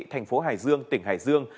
thành phố hải dương tỉnh hải dương